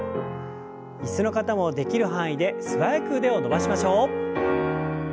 椅子の方もできる範囲で素早く腕を伸ばしましょう。